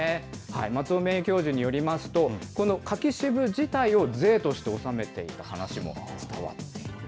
松尾名誉教授によりますと、この柿渋自体を税として納めていた話も伝わっています。